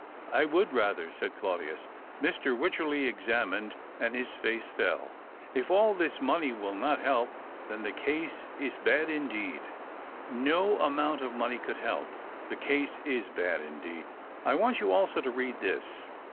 " I would rather," said Claudius. Mr. Wycherley examined, and his face fell. " If all this money will not h.e\^, then the case is bad indeed." " No amount of money could help. The case is bad indeed. I want you also to read this.